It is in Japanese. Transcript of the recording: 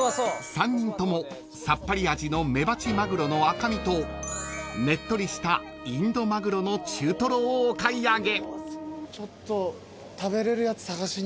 ［３人ともさっぱり味のメバチマグロの赤身とねっとりしたインドマグロの中トロをお買い上げ］